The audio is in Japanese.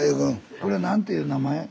これ何ていう名前？